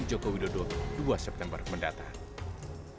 joko widodo dua september mendatang